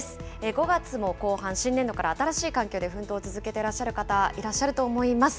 ５月も後半、新年度から新しい環境で奮闘を続けてらっしゃる方、いらっしゃると思います。